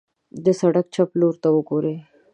د سړک چپ لورته وګورئ.